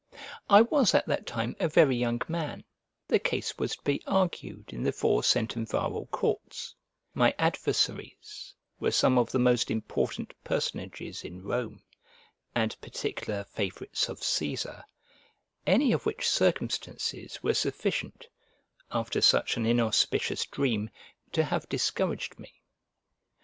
I was at that time a very young man; the case was to be argued in the four centumviral courts; my adversaries were some of the most important personages in Rome, and particular favourites of Cæsar; any of which circumstances were sufficient, after such an inauspicious dream, to have discouraged me.